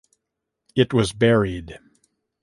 It was buried.